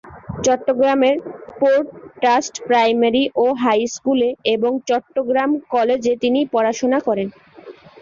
Chittagong port trust primary ও হাইস্কুলে এবং চট্টগ্রাম কলেজে তিনি পড়াশোনা করেন।